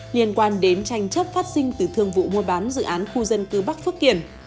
liên quan đến tranh chấp phát sinh từ thương vụ mua bán dự án khu dân cư bắc phước kiển